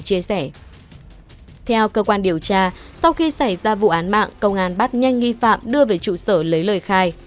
theo cơ quan điều tra sau khi xảy ra vụ án mạng công an bắt nhanh nghi phạm đưa về trụ sở lấy lời khai